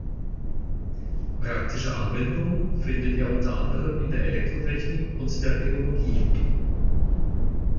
Praktische Anwendung findet er unter anderem in der Elektrotechnik und der Rheologie.